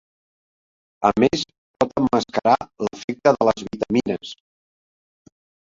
A més pot emmascarar l'efecte de les vitamines.